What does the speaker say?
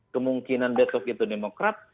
kemungkinan dato' fito demokrat